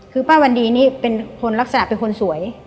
คือป้าวันดีนี่เป็นคนลักษณะเป็นคนสวย